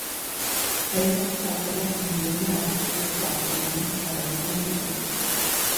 დღეისათვის არსებობს რამდენიმე ათასი უფასო არხი, რომელიც გადაიცემა ინტერნეტით.